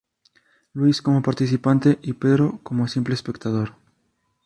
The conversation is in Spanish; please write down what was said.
Luis como participante y Pedro como simple espectador.